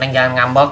neng jangan ngambek